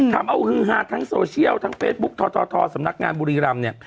ทำเอาฮือฮาทั้งโซเชียลทั้งเฟซบุ๊คททสำนักงานบุรีรำเนี่ย